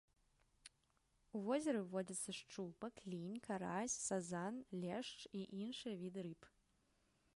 У возеры водзяцца шчупак, лінь, карась, сазан, лешч і іншыя віды рыб.